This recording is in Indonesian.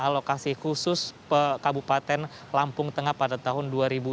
nah alokasi khusus kabupaten lampung tengah pada tahun dua ribu tujuh belas